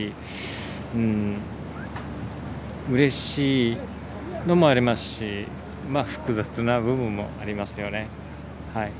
うれしいのもありますし複雑な部分もありますよね。